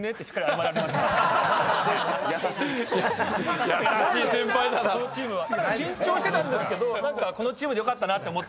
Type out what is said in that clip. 緊張してたんですけど何かこのチームでよかったなって思ってます。